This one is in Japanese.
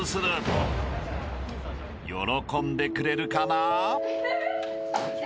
［喜んでくれるかな？］